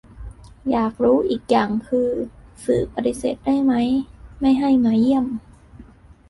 อยากรู้อีกอย่างคือ สื่อปฏิเสธได้ไหม ไม่ให้มาเยี่ยม